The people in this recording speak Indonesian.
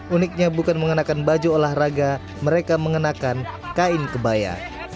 uniknya bukan mengenakan baju olahraga mereka mengenakan kain kebaya